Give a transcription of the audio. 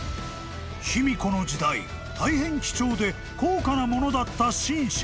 ［卑弥呼の時代大変貴重で高価なものだった辰砂］